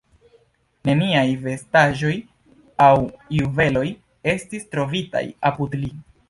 Neniaj vestaĵoj aŭ juveloj estis trovitaj apud li.